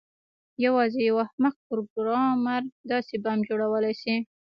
یوازې یو احمق پروګرامر داسې بم جوړولی شي